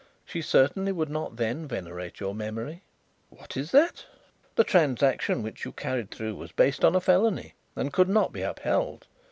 She certainly would not then venerate your memory." "What is that?" "The transaction which you carried through was based on a felony and could not be upheld.